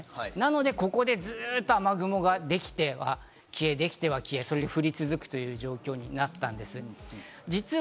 なのでここでずっと雨雲ができて、できては消え、できては消え、降り続くという状況になったんです。